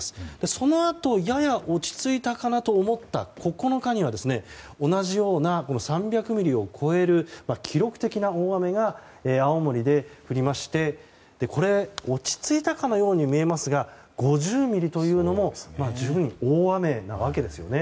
そのあと、やや落ち着いたかなと思った９日には同じような３００ミリを超える記録的な大雨が青森で降りましてこれ、落ち着いたかのように見えますが５０ミリというのも十分、大雨なわけですよね。